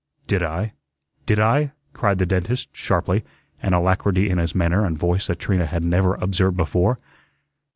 "Did I? Did I?" cried the dentist, sharply, an alacrity in his manner and voice that Trina had never observed before.